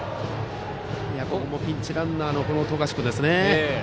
ピンチランナーの冨樫君ですね。